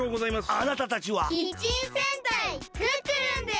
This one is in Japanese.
キッチン戦隊クックルンです！